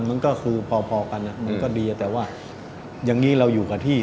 มันก็คือพอกันมันก็ดีแต่ว่าอย่างนี้เราอยู่กับที่